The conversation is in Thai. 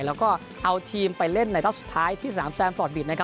แล้วก็เอาทีมไปเล่นในรอบสุดท้ายที่สนามแซมฟอร์ดบิดนะครับ